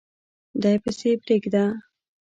دی پسي پریږده